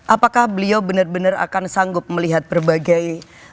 apakah beliau benar benar akan sanggup melihat berbagai